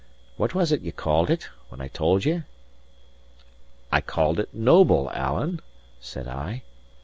What was it ye called it, when I told ye?" "I called it noble, Alan," said I.